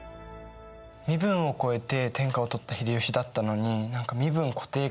身分を超えて天下を取った秀吉だったのに何か身分を固定化しちゃうなんてね。